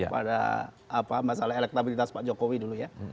pada masalah elektabilitas pak jokowi dulu ya